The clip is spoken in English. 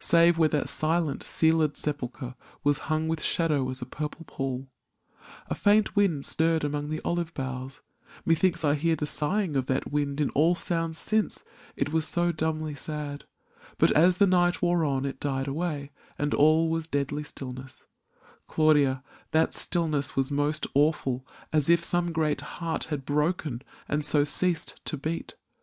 Save where that silent, sealed sepulchre Was hung with shadow as a purple pall. A faint wind stirred among the olive boughs — Methinks I hear the sighing of that wind In all sounds since, it was so dumbly sad; But as the night wore on it died away And all was deadly stillness; Claudia, That stillness was most awful, as if some Great heart had broken and so ceased to beat